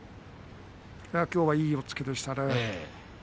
きょうはいい押っつけでしたね。